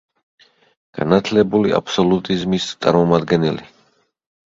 განათლებული აბსოლუტიზმის წარმომადგენელი.